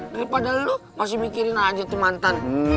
daripada lu masih mikirin aja tuh mantan